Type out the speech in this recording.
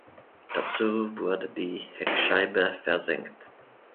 Dazu wurde die Heckscheibe versenkt.